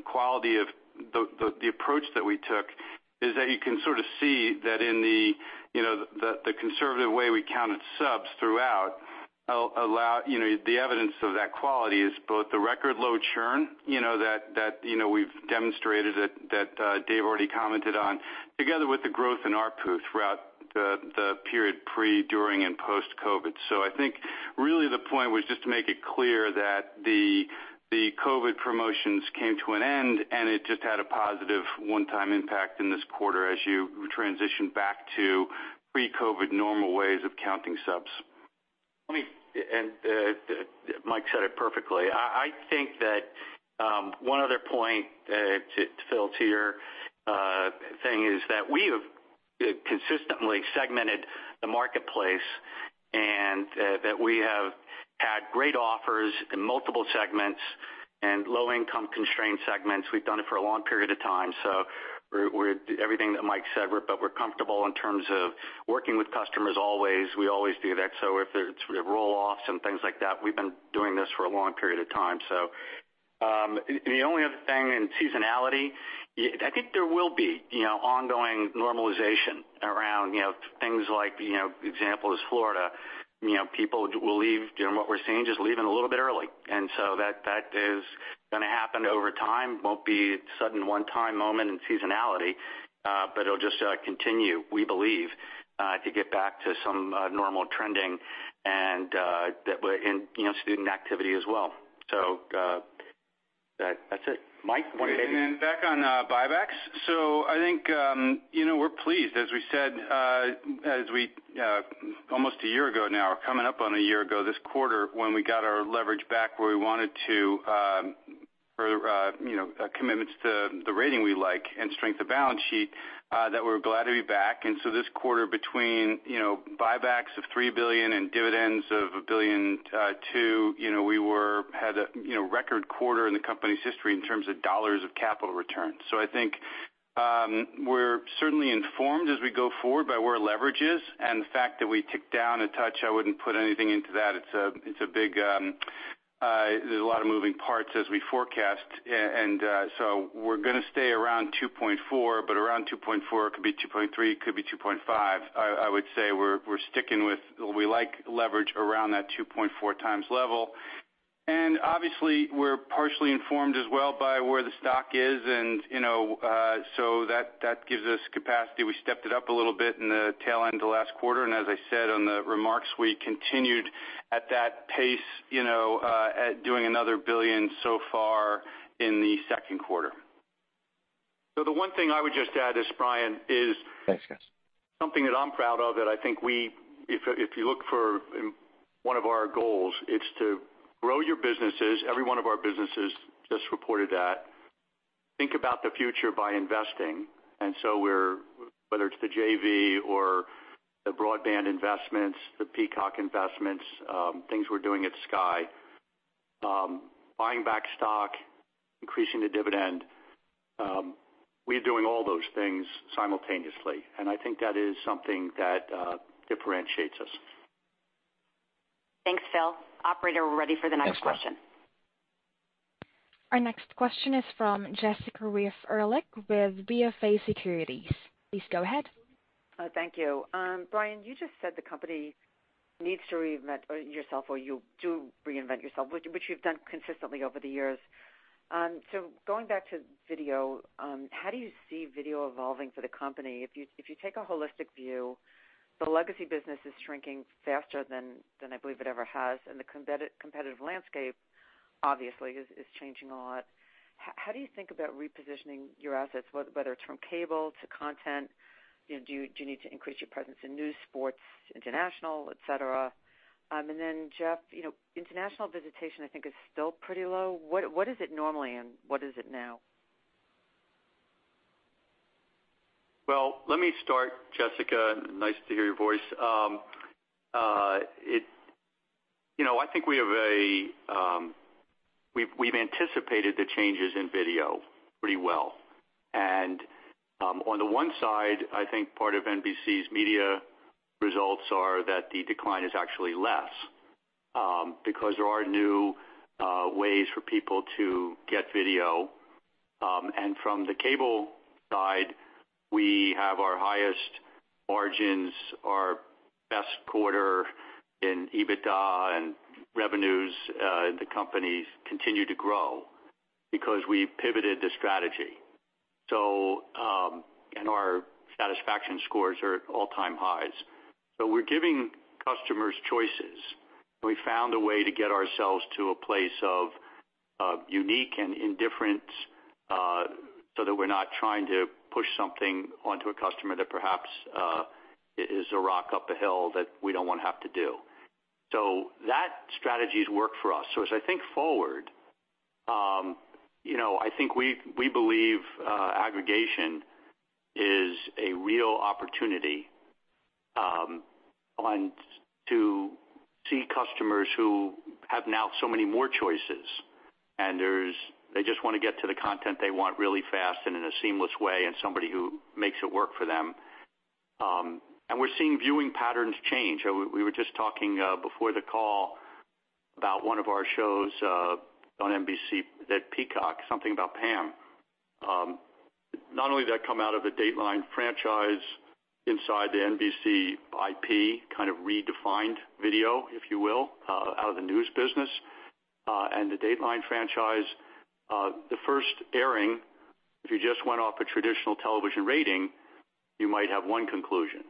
quality of the approach that we took is that you can sort of see that in the, you know, the conservative way we counted subs throughout You know, the evidence of that quality is both the record low churn, you know, that you know, we've demonstrated it that Dave already commented on, together with the growth in ARPU throughout the period pre, during and post-COVID. I think really the point was just to make it clear that the COVID promotions came to an end, and it just had a positive one-time impact in this quarter as you transition back to pre-COVID normal ways of counting subs. Mike said it perfectly. I think that one other point to Phil's point is that we have consistently segmented the marketplace, and that we have had great offers in multiple segments and low-income constrained segments. We've done it for a long period of time. We're everything that Mike said, but we're comfortable in terms of working with customers always. We always do that. If there's sort of roll-offs and things like that, we've been doing this for a long period of time. The only other thing in seasonality, I think there will be ongoing normalization around things like, for example, Florida. You know, people will leave. You know, what we're seeing, just leaving a little bit early. That is gonna happen over time, won't be sudden one time moment in seasonality, but it'll just continue, we believe, to get back to some normal trending and that we're in, you know, student activity as well. That's it. Mike, wanna hit it? Back on buybacks. I think you know we're pleased, as we said, almost a year ago now, coming up on a year ago this quarter when we got our leverage back where we wanted to, or you know commitments to the rating we like and strength of balance sheet, that we're glad to be back. This quarter between you know buybacks of $3 billion and dividends of $1.2 billion, you know we had a you know record quarter in the company's history in terms of dollars of capital returns. I think we're certainly informed as we go forward by where leverage is and the fact that we ticked down a touch. I wouldn't put anything into that. There's a lot of moving parts as we forecast. We're gonna stay around 2.4, but around 2.4, it could be 2.3, it could be 2.5. I would say we're sticking with we like leverage around that 2.4x level. Obviously we're partially informed as well by where the stock is and, you know, so that gives us capacity. We stepped it up a little bit in the tail end of last quarter, and as I said in the remarks, we continued at that pace, you know, at doing another $1 billion so far in the second quarter. The one thing I would just add is, Brian. Thanks, guys. Something that I'm proud of that I think if you look for one of our goals, it's to grow your businesses. Every one of our businesses just reported that. Think about the future by investing. We're, whether it's the JV or the broadband investments, the Peacock investments, things we're doing at Sky, buying back stock, increasing the dividend, we're doing all those things simultaneously, and I think that is something that differentiates us. Thanks, Phil. Operator, we're ready for the next question. Thanks. Our next question is from Jessica Reif Ehrlich with BofA Securities. Please go ahead. Thank you. Brian, you just said the company needs to reinvent yourself or you do reinvent yourself, which you've done consistently over the years. Going back to video, how do you see video evolving for the company? If you take a holistic view, the legacy business is shrinking faster than I believe it ever has, and the competitive landscape obviously is changing a lot. How do you think about repositioning your assets, whether it's from cable to content? You know, do you need to increase your presence in news, sports, international, et cetera? Then Jeff, you know, international visitation I think is still pretty low. What is it normally and what is it now? Well, let me start, Jessica. Nice to hear your voice. You know, I think we've anticipated the changes in video pretty well. On the one side, I think part of NBC's media results are that the decline is actually less because there are new ways for people to get video. From the cable side, we have our highest margins, our best quarter in EBITDA and revenues, and the companies continue to grow because we pivoted the strategy. Our satisfaction scores are all-time highs. We're giving customers choices. We found a way to get ourselves to a place of unique and differentiated so that we're not trying to push something onto a customer that perhaps is a rock up a hill that we don't wanna have to do. That strategy's worked for us. As I think forward, you know, I think we believe aggregation is a real opportunity, and to see customers who have now so many more choices and they just wanna get to the content they want really fast and in a seamless way and somebody who makes it work for them. We're seeing viewing patterns change. We were just talking before the call about one of our shows on NBC at Peacock, The Thing About Pam. Not only did that come out of the Dateline franchise inside the NBC IP, kind of redefined video, if you will, out of the news business, and the Dateline franchise, the first airing, if you just went off a traditional television rating, you might have one conclusion.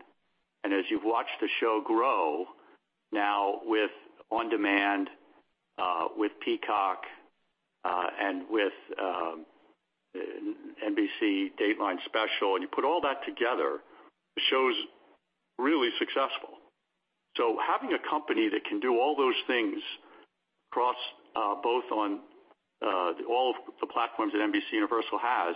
As you've watched the show grow now with on-demand, with Peacock, and with NBC Dateline special, and you put all that together, the show's really successful. Having a company that can do all those things across both on all of the platforms that NBCUniversal has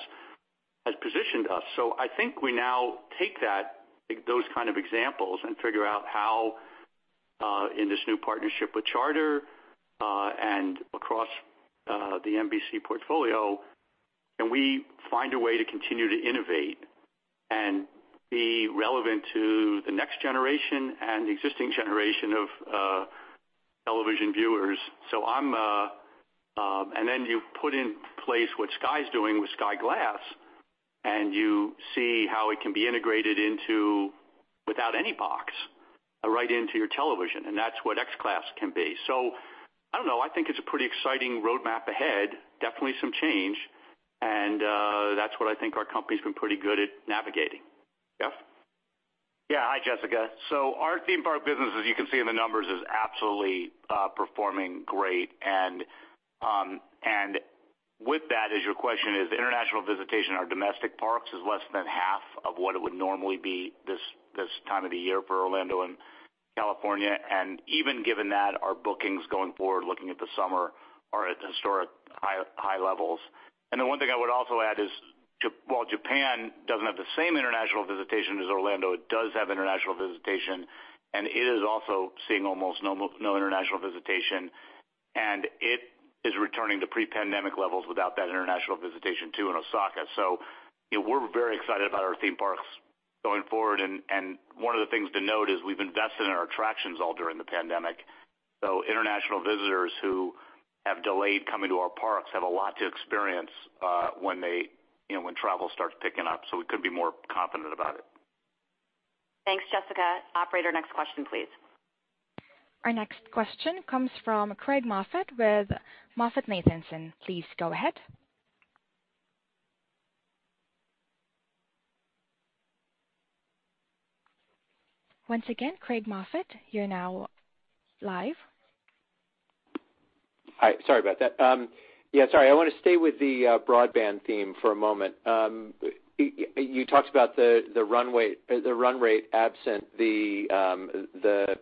positioned us. I think we now take that, those kind of examples and figure out how in this new partnership with Charter, and across the NBC portfolio, can we find a way to continue to innovate and be relevant to the next generation and the existing generation of television viewers. Then you put in place what Sky's doing with Sky Glass, and you see how it can be integrated into, without any box, right into your television, and that's what XClass can be. I don't know. I think it's a pretty exciting roadmap ahead. Definitely some change, and that's what I think our company's been pretty good at navigating. Jeff? Yeah. Hi, Jessica. So our theme park business, as you can see in the numbers, is absolutely performing great. With that is your question is international visitation at our domestic parks is less than half of what it would normally be this time of the year for Orlando and California. Even given that, our bookings going forward looking at the summer are at historic high levels. The one thing I would also add is while Japan doesn't have the same international visitation as Orlando, it does have international visitation, and it is also seeing almost no international visitation, and it is returning to pre-pandemic levels without that international visitation too, in Osaka. You know, we're very excited about our theme parks going forward. One of the things to note is we've invested in our attractions all during the pandemic. International visitors who have delayed coming to our parks have a lot to experience, when they, you know, when travel starts picking up, so we couldn't be more confident about it. Thanks, Jessica. Operator, next question, please. Our next question comes from Craig Moffett with MoffettNathanson. Please go ahead. Once again, Craig Moffett, you're now live. Hi. Sorry about that. Yeah, sorry. I want to stay with the broadband theme for a moment. You talked about the runway, the run rate absent the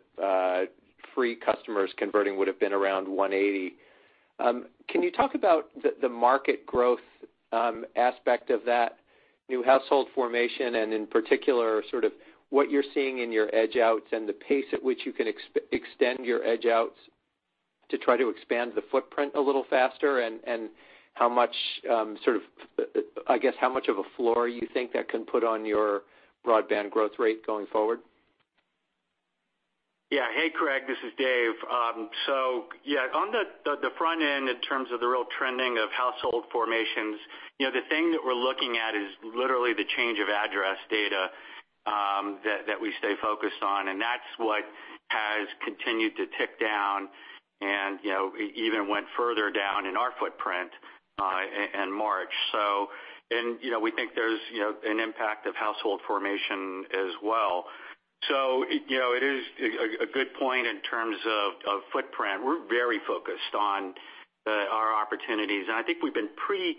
free customers converting would have been around 180. Can you talk about the market growth aspect of that new household formation and in particular, sort of what you're seeing in your edge-outs and the pace at which you can extend your edge-outs to try to expand the footprint a little faster and how much, sort of, I guess, how much of a floor you think that can put on your broadband growth rate going forward? Yeah. Hey, Craig. This is Dave. Yeah, on the front end in terms of the real trending of household formations, you know, the thing that we're looking at is literally the change of address data that we stay focused on, and that's what has continued to tick down and, you know, even went further down in our footprint in March. We think there's, you know, an impact of household formation as well. You know, it is a good point in terms of footprint. We're very focused on our opportunities. I think we've been pretty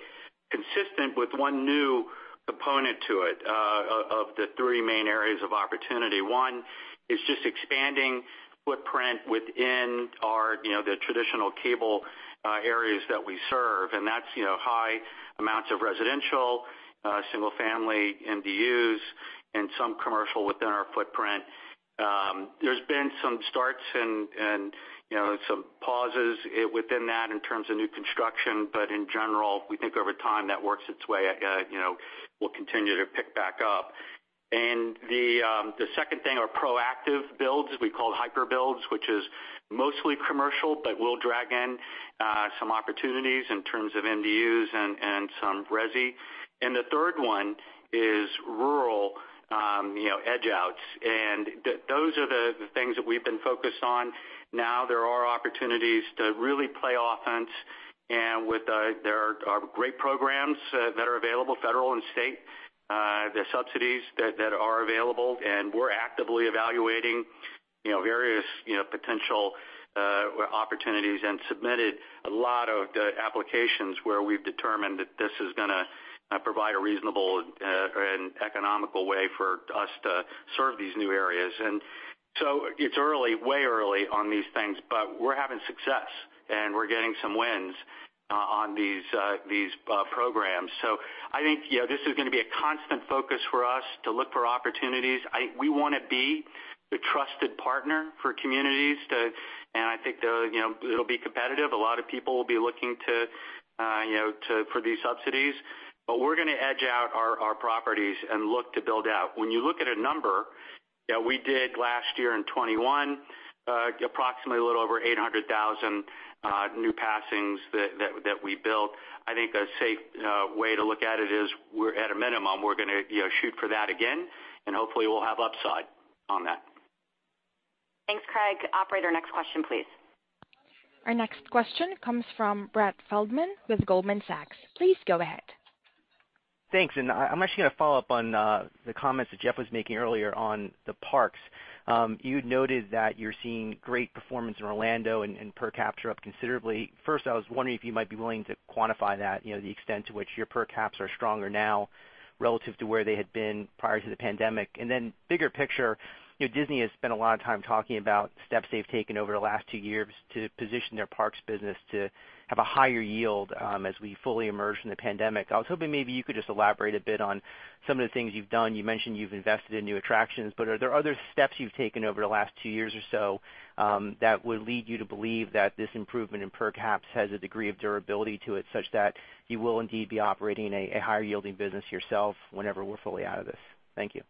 consistent with one new component to it of the three main areas of opportunity. One is just expanding footprint within our, you know, the traditional cable areas that we serve, and that's, you know, high amounts of residential, single family, MDUs, and some commercial within our footprint. There's been some starts and, you know, some pauses, within that in terms of new construction, but in general, we think over time that works its way, you know, will continue to pick back up. The second thing are proactive builds we call hyper builds, which is mostly commercial but will drag in, some opportunities in terms of MDUs and some resi. The third one is rural, you know, edge-outs. Those are the things that we've been focused on. Now there are opportunities to really play offense and with there are great programs that are available, federal and state, the subsidies that are available, and we're actively evaluating you know various you know potential opportunities and submitted a lot of the applications where we've determined that this is gonna provide a reasonable and economical way for us to serve these new areas. It's early, way early on these things, but we're having success, and we're getting some wins on these programs. I think, you know, this is gonna be a constant focus for us to look for opportunities. We wanna be the trusted partner for communities to. I think, you know, it'll be competitive. A lot of people will be looking to, you know, for these subsidies. We're gonna edge out our properties and look to build out. When you look at a number Yeah, we did last year in 2021, approximately a little over 800,000 new passings that we built. I think a safe way to look at it is we're at a minimum. We're gonna, you know, shoot for that again and hopefully we'll have upside on that. Thanks, Craig. Operator, next question, please. Our next question comes from Brett Feldman with Goldman Sachs. Please go ahead. Thanks. I'm actually gonna follow up on the comments that Jeff was making earlier on the parks. You'd noted that you're seeing great performance in Orlando and per capita up considerably. First, I was wondering if you might be willing to quantify that, you know, the extent to which your per caps are stronger now relative to where they had been prior to the pandemic. Bigger picture, you know, Disney has spent a lot of time talking about steps they've taken over the last two years to position their parks business to have a higher yield, as we fully emerge from the pandemic. I was hoping maybe you could just elaborate a bit on some of the things you've done. You mentioned you've invested in new attractions, but are there other steps you've taken over the last two years or so, that would lead you to believe that this improvement in per caps has a degree of durability to it such that you will indeed be operating a higher yielding business yourself whenever we're fully out of this? Thank you.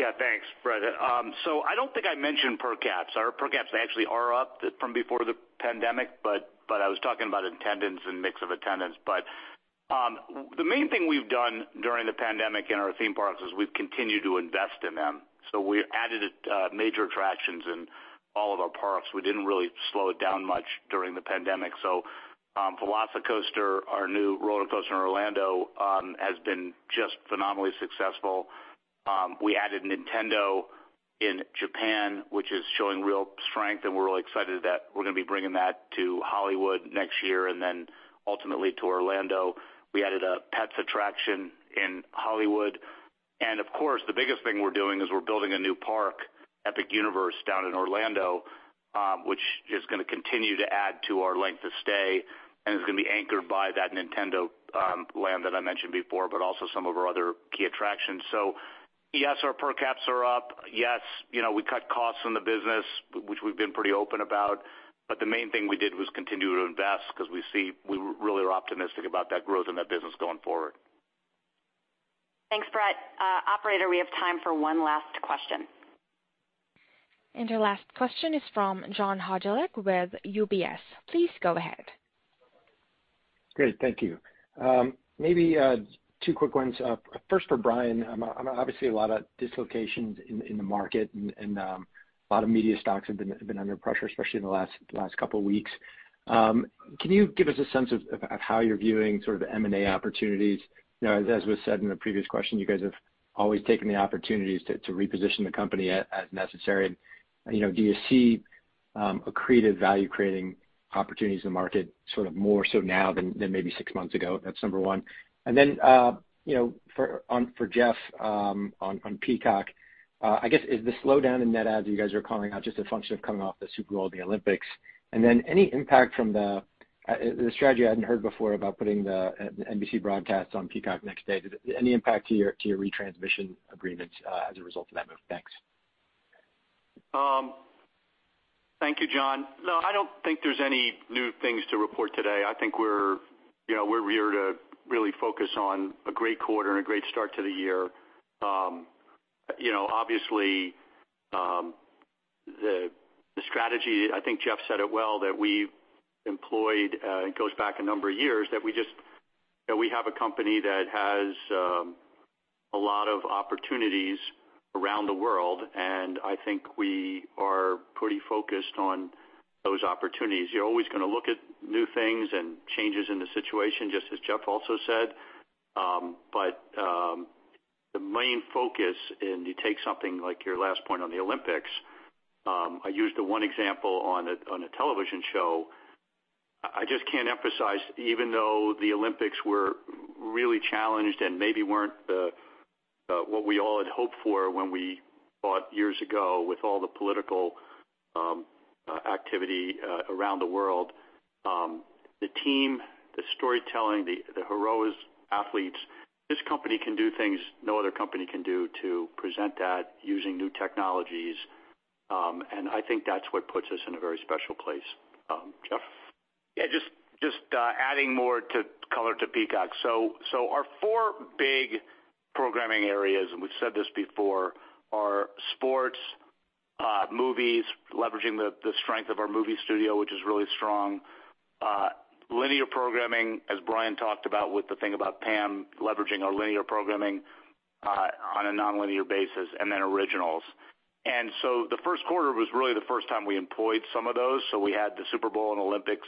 Yeah, thanks, Brett. I don't think I mentioned per caps. Our per caps actually are up from before the pandemic, but I was talking about attendance and mix of attendance. The main thing we've done during the pandemic in our theme parks is we've continued to invest in them. We added major attractions in all of our parks. We didn't really slow it down much during the pandemic. VelociCoaster, our new rollercoaster in Orlando, has been just phenomenally successful. We added Nintendo in Japan, which is showing real strength, and we're really excited that we're gonna be bringing that to Hollywood next year and then ultimately to Orlando. We added a Pets attraction in Hollywood. Of course, the biggest thing we're doing is we're building a new park, Epic Universe, down in Orlando, which is gonna continue to add to our length of stay and is gonna be anchored by that Nintendo land that I mentioned before, but also some of our other key attractions. Yes, our per caps are up. Yes, you know, we cut costs in the business, which we've been pretty open about, but the main thing we did was continue to invest because we see we really are optimistic about that growth in that business going forward. Thanks, Brett. Operator, we have time for one last question. Our last question is from John Hodulik with UBS. Please go ahead. Great. Thank you. Maybe two quick ones. First for Brian, obviously a lot of dislocations in the market and a lot of media stocks have been under pressure, especially in the last couple of weeks. Can you give us a sense of how you're viewing sort of the M&A opportunities? You know, as was said in the previous question, you guys have always taken the opportunities to reposition the company as necessary. You know, do you see accretive value-creating opportunities in the market sort of more so now than maybe six months ago? That's number one. You know, for Jeff, on Peacock, I guess, is the slowdown in net adds you guys are calling out just a function of coming off the Super Bowl and the Olympics? Any impact from the strategy I hadn't heard before about putting the NBC broadcast on Peacock next day? Any impact to your retransmission agreements as a result of that move? Thanks. Thank you, John. No, I don't think there's any new things to report today. I think you know, we're here to really focus on a great quarter and a great start to the year. You know, obviously, the strategy, I think Jeff said it well, that we employed, it goes back a number of years, that we have a company that has a lot of opportunities around the world, and I think we are pretty focused on those opportunities. You're always gonna look at new things and changes in the situation, just as Jeff also said. The main focus, and you take something like your last point on the Olympics, I used the one example on a television show. I just can't emphasize, even though the Olympics were really challenged and maybe weren't the what we all had hoped for when we bought years ago with all the political activity around the world, the team, the storytelling, the heroes, athletes, this company can do things no other company can do to present that using new technologies. I think that's what puts us in a very special place. Jeff. Yeah, adding more color to Peacock. Our four big programming areas, and we've said this before, are sports, movies, leveraging the strength of our movie studio, which is really strong, linear programming, as Brian talked about with The Thing About Pam, leveraging our linear programming on a non-linear basis, and then originals. The first quarter was really the first time we employed some of those. We had the Super Bowl and Olympics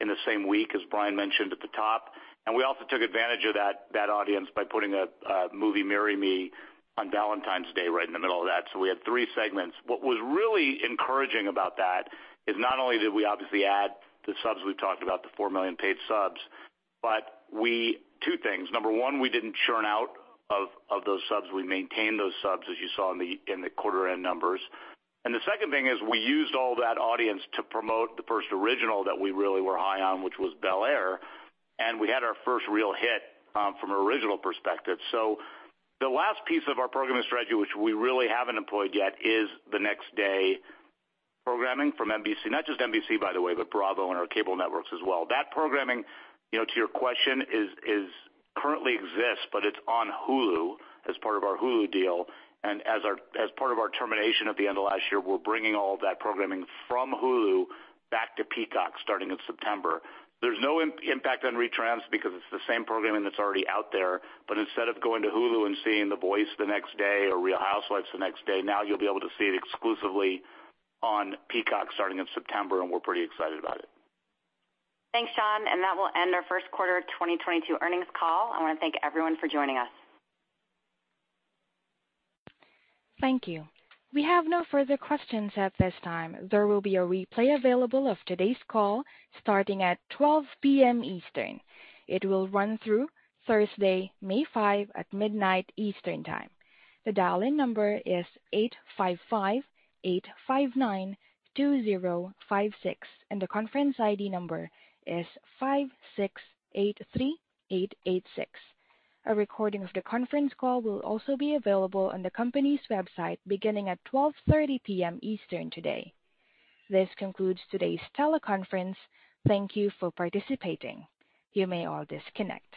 in the same week, as Brian mentioned at the top. We also took advantage of that audience by putting a movie, Marry Me, on Valentine's Day right in the middle of that. We had three segments. What was really encouraging about that is not only did we obviously add the subs we've talked about, the four million paid subs, but two things. Number one, we didn't churn out of those subs. We maintained those subs, as you saw in the quarter end numbers. The second thing is we used all that audience to promote the first original that we really were high on, which was Bel-Air, and we had our first real hit from an original perspective. The last piece of our programming strategy, which we really haven't employed yet, is the next day programming from NBC, not just NBC, by the way, but Bravo and our cable networks as well. That programming, you know, to your question, currently exists, but it's on Hulu as part of our Hulu deal. As part of our termination at the end of last year, we're bringing all that programming from Hulu back to Peacock starting in September. There's no impact on retrans because it's the same programming that's already out there. Instead of going to Hulu and seeing The Voice the next day or The Real Housewives the next day, now you'll be able to see it exclusively on Peacock starting in September, and we're pretty excited about it. Thanks, John. That will end our first quarter 2022 earnings call. I wanna thank everyone for joining us. Thank you. We have no further questions at this time. There will be a replay available of today's call starting at 12:00 P.M. Eastern. It will run through Thursday, May 5 at midnight Eastern Time. The dial-in number is 855.859.2056, and the conference ID number is 5683886. A recording of the conference call will also be available on the company's website beginning at 12:30 P.M. Eastern today. This concludes today's teleconference. Thank you for participating. You may all disconnect.